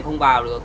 không vào được